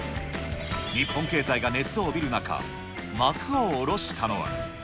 日本経済が熱を帯びる中、幕を下ろしたのは。